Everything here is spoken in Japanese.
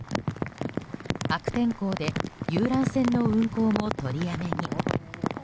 悪天候で遊覧船の運航も取りやめに。